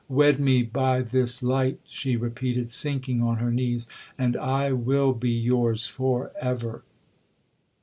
'Wed me by this light,' she repeated, sinking on her knees, 'and I will be yours for ever!'